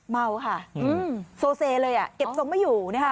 เมาค่ะโซเซเลยเก็บทรงไม่อยู่